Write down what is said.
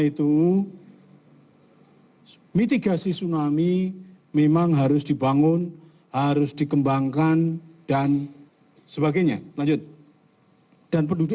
itu mitigasi tsunami memang harus dibangun harus dikembangkan dan sebagainya lanjut dan penduduk